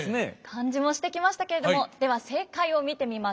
感じもしてきましたけれどもでは正解を見てみましょう。